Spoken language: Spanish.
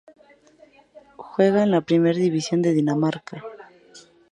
Juega en la Primera División de Dinamarca.